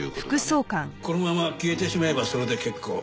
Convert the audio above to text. このまま消えてしまえばそれで結構。